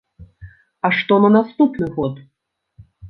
А што на наступны год?